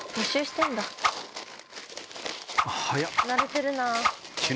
慣れてるなぁ。